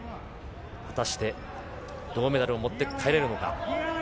果たして銅メダルを持って帰れるのか。